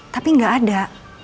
tapi nggak ada